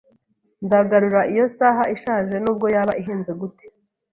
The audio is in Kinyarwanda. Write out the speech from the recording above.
Nzagura iyo saha ishaje nubwo yaba ihenze gute